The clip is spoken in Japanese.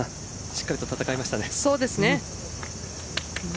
しっかりと戦えましたね。